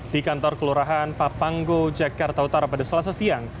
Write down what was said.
di kantor kelurahan papanggo jakarta utara pada selasa siang